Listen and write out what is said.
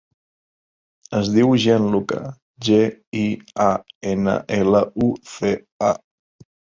Es diu Gianluca: ge, i, a, ena, ela, u, ce, a.